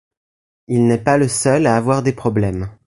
Il n'est pas le seul à avoir des problèmes.